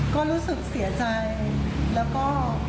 ก็รู้สึกเสียใจแล้วก็